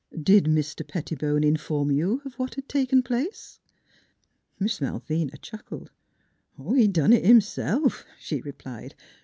Did Mis ter Pettibone in form you of what had taken place? " Miss Malvina chuckled: " He done it himself," she replied.